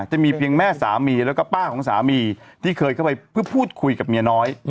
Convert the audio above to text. จะมีเพียงแม่สามีแล้วก็ป้าของสามีที่เคยเข้าไปเพื่อพูดคุยกับเมียน้อย